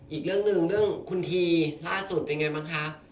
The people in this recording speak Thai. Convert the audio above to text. อีกเรื่องคุณทีล่าสุดเป็นไงบ้างคะ